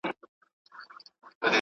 سي به څرنګه په کار د غلیمانو ,